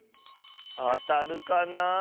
あたるかな。